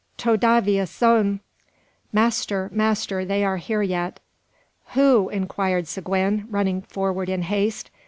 to davia son!" (Master, master! they are here yet!) "Who?" inquired Seguin, running forward in haste.